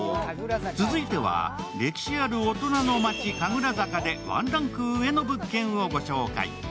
続いては歴史ある大人の街神楽坂でワンランク上の物件をご紹介。